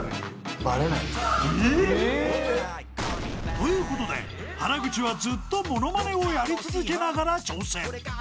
［ということで原口はずっと物まねをやり続けながら挑戦！］